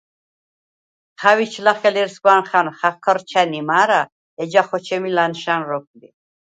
ჴავიჩ ლახე ლერსგვანხა̈ნ ხაჴჷრჩჷნი მა̄რა, ეჯა ხოჩე̄მი ლა̈ნშა̈ნ როქვ ლი.